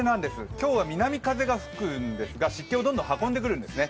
今日は南風が吹くんですが、湿気をどんどん運んでくるんですね。